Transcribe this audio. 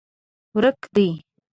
ورک دي